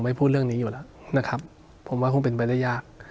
พูดเรื่องนี้อยู่แล้วนะครับผมว่าคงเป็นไปได้ยาก